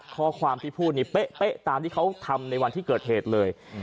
ข้อความที่พูดนี่เป๊ะตามที่เขาทำในวันที่เกิดเหตุเลย